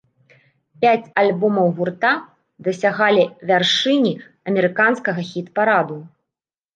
Пяць альбомаў гурта дасягалі вяршыні амерыканскага хіт-параду.